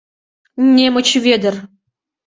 Немыч Вӧдыр!